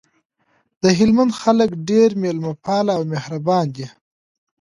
دهلمند خلګ ډیر میلمه پاله او مهربان دي